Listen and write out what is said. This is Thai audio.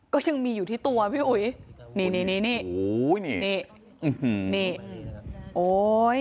ก็ยังมีอยู่ที่ตัวพี่อุ๊ยนี่โอ้ย